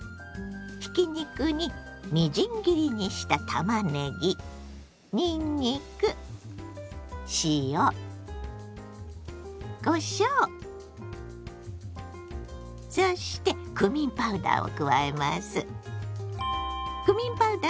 ひき肉にみじん切りにしたたまねぎにんにく塩こしょうそしてクミンパウダーを加えます。